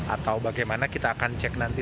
atau bagaimana kita akan cek nanti